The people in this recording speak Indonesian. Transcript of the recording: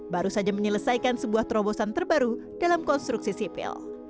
baru saja menyelesaikan sebuah terobosan terbaru dalam konstruksi sipil